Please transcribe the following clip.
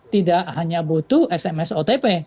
tidak hanya butuh sms otp